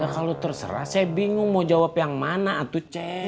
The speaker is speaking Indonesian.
kalau terserah saya bingung mau jawab yang mana atau c